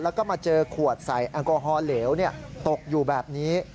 แล้วก็มาเจอขวดใส่แอลกอฮอลเหลวตกอยู่แบบนี้